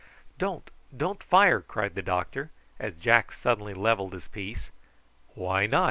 "Don't! don't fire!" cried the doctor, as Jack suddenly levelled his piece. "Why not?"